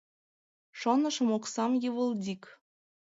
— Шонышым, оксам — йывылдик.